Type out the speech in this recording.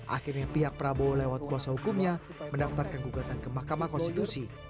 akhirnya pihak prabowo lewat kuasa hukumnya mendaftarkan gugatan ke mahkamah konstitusi